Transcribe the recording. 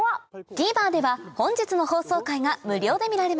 ＴＶｅｒでは本日の放送回が無料で見られます